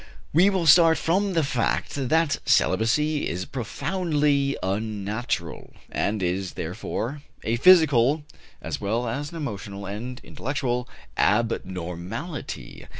We will start from the fact that celibacy is profoundly unnatural, and is, therefore, a physical as well as an emotional and intellectual abnormality.